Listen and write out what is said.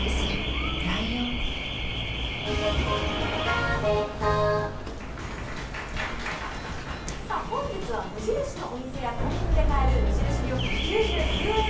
ワイドも薄型本日は無印のお店やコンビニで買える無印良品・９９円